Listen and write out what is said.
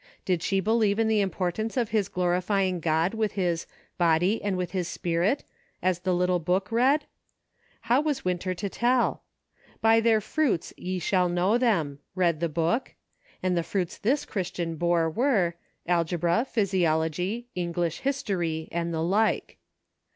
Did she believe in the importance of his glorifying God with his " body and with his spirit," as the little book read ? How was Winter to tell ?" By their fruits ye shall know them," read the book ; and the fruits this Christian bore were : algebra, physiology, English history, and the like.